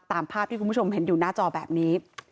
ตามภาพที่คุณผู้ชมเห็นอยู่หน้าจอแบบนี้